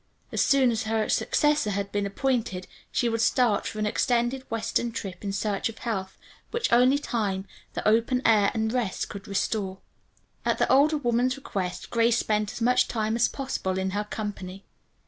As soon as her successor had been appointed she would start for an extended western trip in search of health, which only time, the open air and rest could restore. At the older woman's request Grace spent as much time as possible in her company.